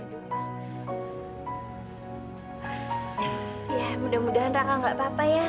ya mudah mudahan rangka gak apa apa ya